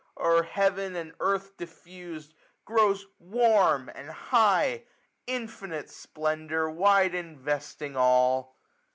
O'er heaven and earth diffused, grows warm, and high j Infinite splendour ! wide investing all.